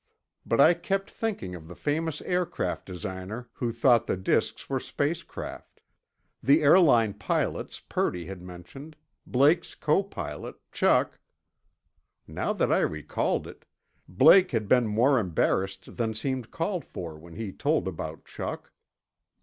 But I kept thinking of the famous aircraft designer who thought the disks were space craft; the airline pilots Purdy had mentioned; Blake's copilot, Chuck. ... Now that I recalled it, Blake had been more embarrassed than seemed called for when he told about Chuck.